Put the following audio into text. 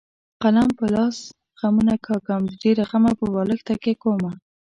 قلم په لاس غمونه کاږم د ډېره غمه په بالښت تکیه کومه.